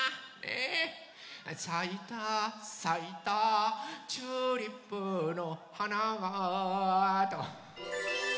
「さいたさいたチューリップのはなが」と。